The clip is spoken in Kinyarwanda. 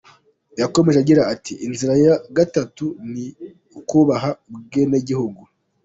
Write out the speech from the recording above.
Yakomeje agira ati “Inzira ya gatatu ni ukubaha ubwenegihugu.